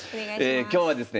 今日はですね